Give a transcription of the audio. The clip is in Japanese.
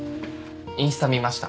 インスタ見ました。